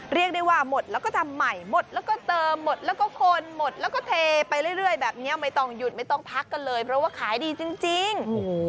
เรียกได้ว่าหมดแล้วก็ทำใหม่หมดแล้วก็เติมหมดแล้วก็คนหมดแล้วก็เทไปเรื่อยแบบนี้ไม่ต้องหยุดไม่ต้องพักกันเลยเพราะว่าขายดีจริง